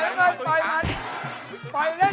ปล่อยลำมันจั๋วลุม